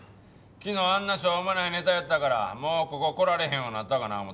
昨日あんなしょうもないネタやったからもうここ来られへんようなったかな思うたわ。